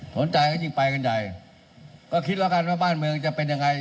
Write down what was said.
สนใจก็ยิ่งไปกันใหญ่ก็คิดแล้วกันว่าบ้านเมืองจะเป็นยังไง